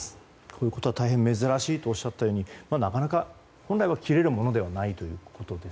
こういうことは大変珍しいとおっしゃったようになかなか本来は切れるものではないと。